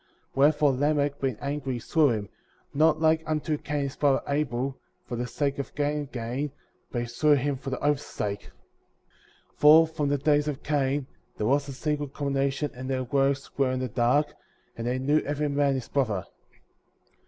A\Tierefore Lamech, being angry, slew him, not like unto Cain his brother Abel,^' for the sake of getting gain, but he slew him for the oath's sake. 51. For, from the days of Cain, there was a secret combination,^' and their works were in the dark, and they knew every man his brother.